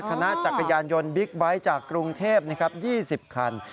คณะจักรยานยนต์บิ๊กไบท์จากกรุงเทพฯนะครับ๒๐คัน